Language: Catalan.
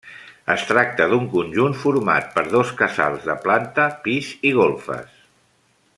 Es tracta d'un conjunt format per dos casals de planta, pis i golfes.